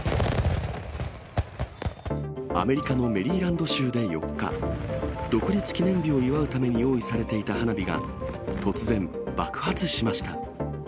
アメリカのメリーランド州で４日、独立記念日を祝うために用意されていた花火が、突然爆発しました。